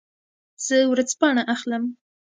زه ورځپاڼه اخلم.